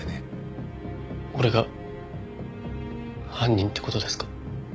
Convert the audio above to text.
俺が犯人って事ですか？